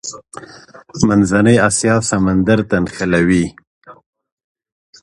منځنۍ اسیا سمندر ته نښلوي.